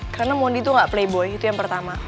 karena mondi tuh gak playboy itu yang pertama